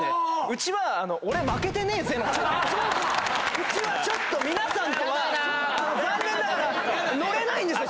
うちは皆さんとは残念ながら乗れないんですよ